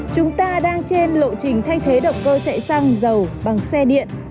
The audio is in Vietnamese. chúng ta đang trên lộ trình thay thế động cơ chạy xăng dầu bằng xe điện